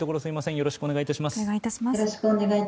よろしくお願いします。